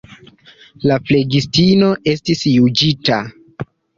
La flegistino estis juĝita.